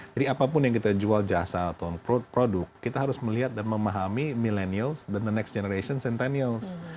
jadi apapun yang kita jual jasa atau produk kita harus melihat dan memahami millennials dan the next generation centenials